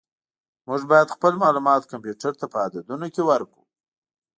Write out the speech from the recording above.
موږ باید خپل معلومات کمپیوټر ته په عددونو کې ورکړو.